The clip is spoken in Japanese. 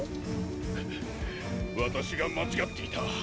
ハァッ私が間違っていた。